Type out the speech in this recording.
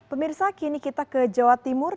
pemirsa kini kita ke jawa timur